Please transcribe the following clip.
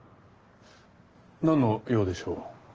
何の用でしょう？